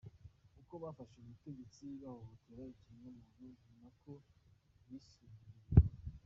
Uko bafashe ubutegetsi buhohotera ikiremwa muntu ninako bisubiriye!